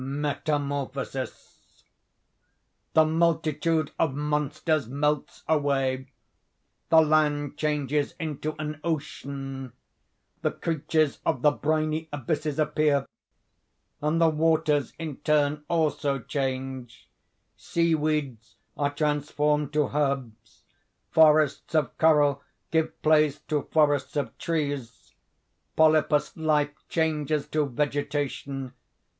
METAMORPHOSIS The multitude of monsters melts away; the land changes into an Ocean; the creatures of the briny abysses appear. And the waters in turn also change; seaweeds are transformed to herbs, forests of coral give place to forests of trees, polypous life changes to vegetation.